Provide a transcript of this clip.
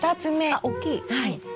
あっ大きい。